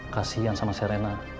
kasian sama serena